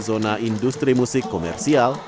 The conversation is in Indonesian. zona industri musik komersial